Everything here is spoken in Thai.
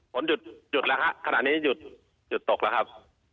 ฝนหยุดแล้วฮะขณะนี้หยุดหยุดตกแล้วครับ